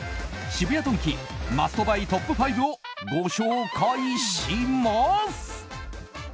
渋谷ドンキマストバイトップ５をご紹介します。